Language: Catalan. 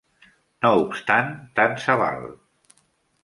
No obstant, tant se val.